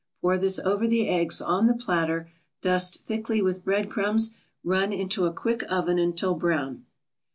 Pour this over the eggs on the platter, dust thickly with bread crumbs, run into a quick oven until brown.